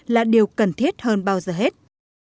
là điều cần thiết hơn bao giờ hết